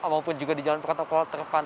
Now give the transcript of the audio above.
maupun juga di jalan protokol terpantau